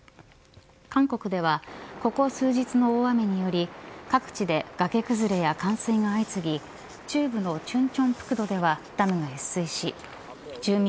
韓国では、ここ数日の大雨により各地で崖崩れや冠水が相次ぎ中部の忠清北道ではダムが越水し住民